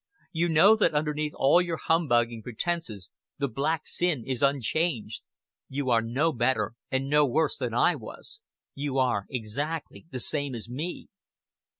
You know that underneath all your humbugging pretenses the black sin is unchanged. You are no better and no worse than I was. You are exactly the same as me."